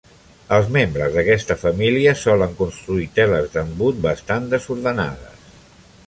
Els membres d'aquesta família solen construir teles d'embut bastant desordenades.